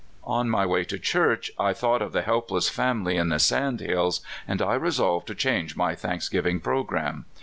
On my way to church I thought of the helpless family in the sand hills, and I resolved to change my thanksgiving programme.